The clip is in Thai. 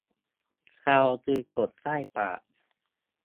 เคราคือขนใต้ปาก